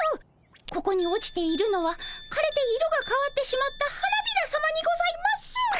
ここに落ちているのはかれて色がかわってしまった花びらさまにございます。